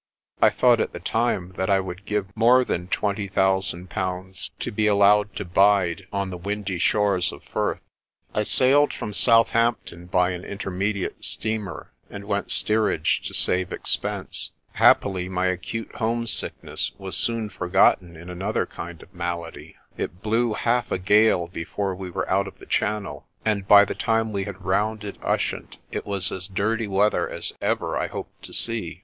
I thought at the time that I would give more than twenty thousand pounds to be allowed to bide on the windy shores of Furth. I sailed from Southampton by an intermediate steamer, and went steerage to save expense. Happily my acute home sickness was soon forgotten in another kind of malady. It blew half a gale before we were out of the Channel, and by the time we had rounded Ushant it was as dirty weather as ever I hope to see.